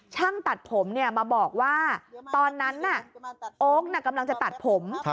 ช่างตัดผมมาบอกว่าตอนนั้นน่ะโอ๊คกำลังจะตัดผม